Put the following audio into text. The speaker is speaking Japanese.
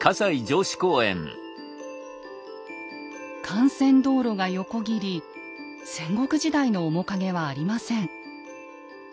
幹線道路が横切り戦国時代の面影はありません。